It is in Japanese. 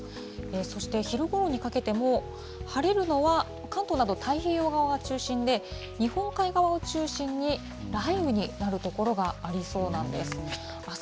そして昼ごろにかけても、晴れるのは、関東など太平洋側が中心で、日本海側を中心に、雷雨になる所がありそうなんです。